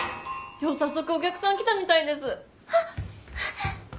今日は早速お客さん来たみたいです！